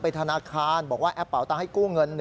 ธนาคารบอกว่าแอปเป่าตังค์ให้กู้เงิน